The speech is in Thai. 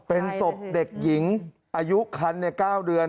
เป็นศพเด็กหญิงอายุคัน๙เดือน